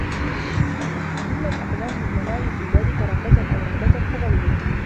زَلَّتْ أَقْدَامُ الْعُلَمَاءِ فِي ذَلِكَ رَغْبَةً أَوْ رَهْبَةً فَضَلُّوا